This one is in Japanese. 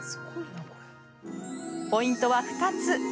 ポイントは２つ。